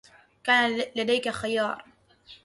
كان لديك خيار.